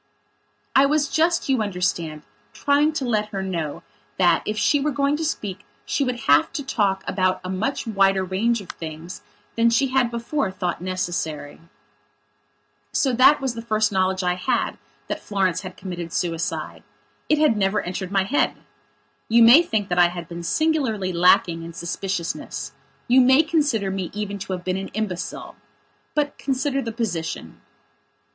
I was just, you understand, trying to let her know that, if she were going to speak she would have to talk about a much wider range of things than she had before thought necessary. So that that was the first knowledge I had that Florence had committed suicide. It had never entered my head. You may think that I had been singularly lacking in suspiciousness; you may consider me even to have been an imbecile. But consider the position.